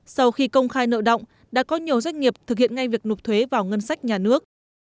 sau khi công khai nợ động đã có nhiều doanh nghiệp thực hiện ngay việc nộp thuế vào ngân sách nhà nước